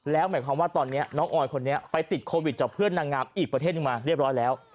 แล้วหมายความว่าตอนนี้น้องออยคนนี้ไปติดโควิดจากเพื่อนนางงามอีกประเทศหนึ่งมาเรียบร้อยแล้ว